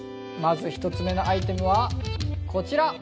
まず１つ目のアイテムはこちら！